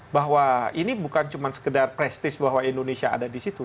bahwa ini bukan cuma sekedar prestis bahwa indonesia ada di situ